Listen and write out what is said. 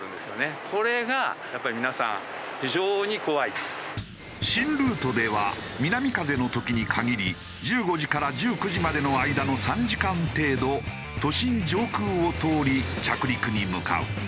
では新ルートでは南風の時に限り１５時から１９時までの間の３時間程度都心上空を通り着陸に向かう。